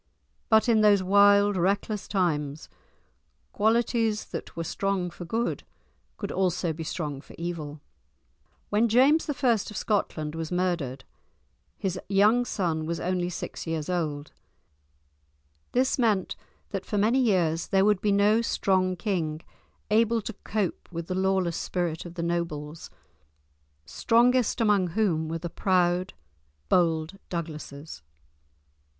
But in those wild, reckless times qualities that were strong for good could also be strong for evil. When James I. of Scotland was murdered, his young son was only six years old. This meant that for many years there would be no strong king able to cope with the lawless spirit of the nobles, strongest among whom were the proud, bold Douglases.